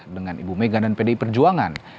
dengan ibu mega dan pdi perjuangan